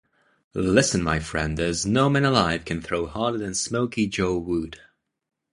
Listen, my friend, there's no man alive can throw harder than Smoky Joe Wood!